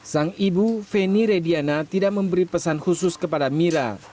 sang ibu feni rediana tidak memberi pesan khusus kepada mira